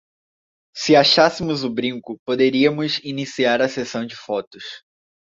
Se achássemos o brinco, poderíamos iniciar a sessão de fotos.